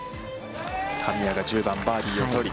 神谷が１０番バーディーを取り。